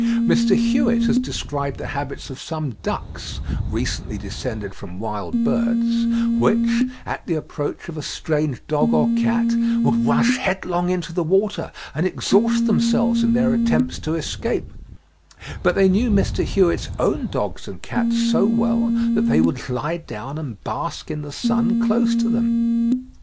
(13. The 'Zoologist,' 1847 48, p. 1602.) Mr. Hewitt has described the habits of some ducks (recently descended from wild birds), which, at the approach of a strange dog or cat, would rush headlong into the water, and exhaust themselves in their attempts to escape; but they knew Mr. Hewitt's own dogs and cats so well that they would lie down and bask in the sun close to them.